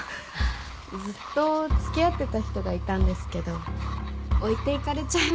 ずっと付き合ってた人がいたんですけど置いていかれちゃいました